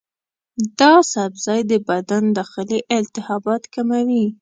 دا سبزی د بدن داخلي التهابات کموي.